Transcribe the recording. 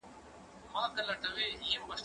ايا ته چپنه پاکوې!.